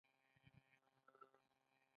ګیلاس د کورنۍ مینه ښيي.